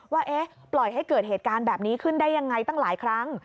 ว่าปล่อยให้เกิดเหตุการณ์แบบนี้ขึ้นได้ยังไงตั้งหลายครั้ง